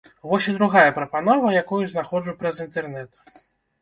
Вось і другая прапанова, якую знаходжу праз інтэрнэт.